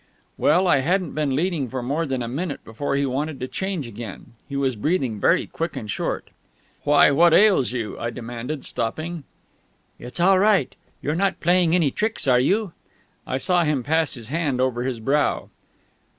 Well, I hadn't been leading for more than a minute before he wanted to change again. He was breathing very quick and short. "Why, what ails you?" I demanded, stopping. "It's all right.... You're not playing any tricks, are you?..." I saw him pass his hand over his brow.